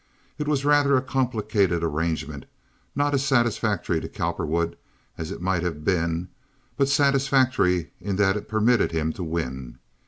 It was rather a complicated arrangement, not as satisfactory to Cowperwood as it might have been, but satisfactory in that it permitted him to win.